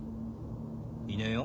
いねえよ。